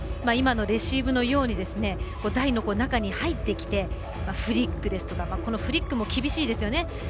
今のレシーブのように台の中に入ってきてフリックですとかこのフリックも厳しいですよね。